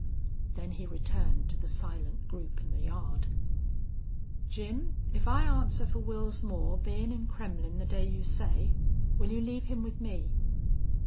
Then he returned to the silent group in the yard. "Jim, if I answer fer Wils Moore bein' in Kremmlin' the day you say, will you leave him with me?"